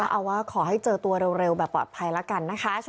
เอาว่าขอให้เจอตัวเร็วแบบปลอดภัยแล้วกันนะคะ